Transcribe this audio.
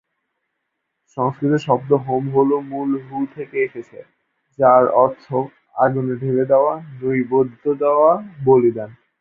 সংস্কৃত শব্দ হোম হল মূল হু থেকে এসেছে, যার অর্থ "আগুনে ঢেলে দেওয়া, নৈবেদ্য দেওয়া, বলিদান"।